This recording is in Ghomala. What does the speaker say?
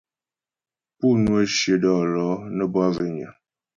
Pú ŋwə shyə dɔ̌lɔ̌ nə́ bwâ zhwényə.